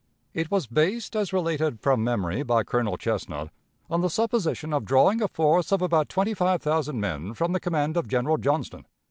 It was based, as related from memory by Colonel Chesnut, on the supposition of drawing a force of about twenty five thousand men from the command of General Johnston.